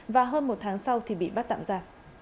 và hơn một tháng sau thì bị bắt tạm ra